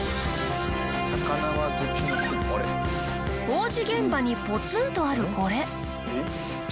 工事現場にポツンとあるこれ。